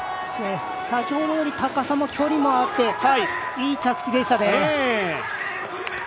先ほどより高さも距離もあっていい着地でしたね。